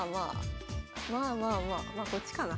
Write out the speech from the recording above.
まあまあまあまあこっちかな。